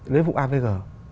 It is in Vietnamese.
với vụ avg